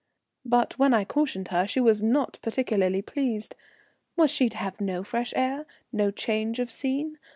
But when I cautioned her she was not particularly pleased. Was she to have no fresh air, no change of scene?